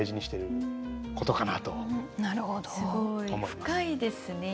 深いですね。